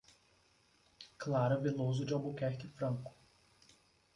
Clara Veloso de Albuquerque Franco